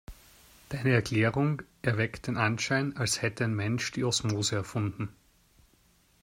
Deine Erklärung erweckt den Anschein, als hätte ein Mensch die Osmose erfunden.